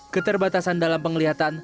keterbatasan dalam penglihatan